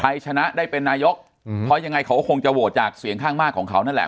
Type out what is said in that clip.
ชนะได้เป็นนายกเพราะยังไงเขาก็คงจะโหวตจากเสียงข้างมากของเขานั่นแหละ